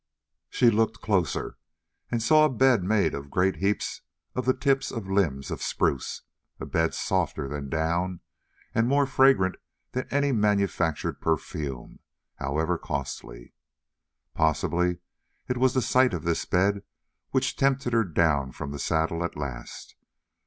She looked closer and saw a bed made of a great heap of the tips of limbs of spruce, a bed softer than down and more fragrant than any manufactured perfume, however costly. Possibly it was the sight of this bed which tempted her down from the saddle, at last.